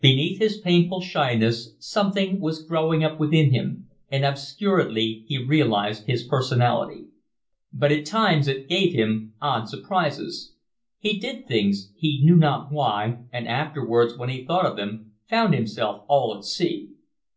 Beneath his painful shyness something was growing up within him, and obscurely he realised his personality. But at times it gave him odd surprises; he did things, he knew not why, and afterwards when he thought of them found himself all at sea.